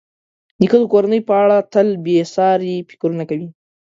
نیکه د کورنۍ په اړه تل بېساري فکرونه کوي.